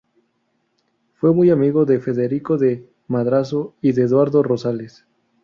Fue muy amigo de Federico de Madrazo y de Eduardo Rosales.